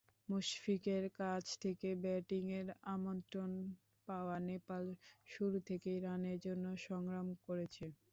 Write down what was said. মুশফিকের কাছ থেকে ব্যাটিংয়ের আমন্ত্রণ পাওয়া নেপাল শুরু থেকেই রানের জন্য সংগ্রাম করেছে।